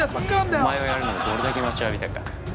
お前をやるのをどれだけ待ちわびたか。